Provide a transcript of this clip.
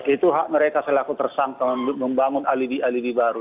itu hak mereka selaku tersangka membangun alibi alibi baru